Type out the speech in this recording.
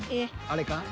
［あれか？］